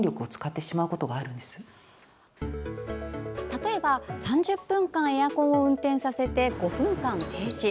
例えば３０分間エアコンを運転させて５分間停止。